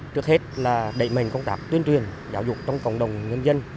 trước hết là đẩy mạnh công tác tuyên truyền giáo dục trong cộng đồng nhân dân